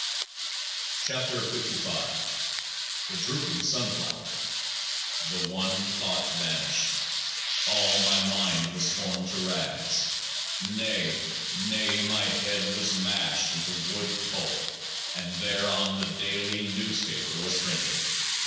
69 KEOAAH NE THE DROOPING SUNFLOWER The One Thought vanished ; all my mind was torn to rags : nay ! nay ! my head was mashed into wood pulp, and thereon the Daily Newspaper was printed.